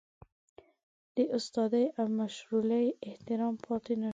د استادۍ او مشرولۍ احترام پاتې نشو.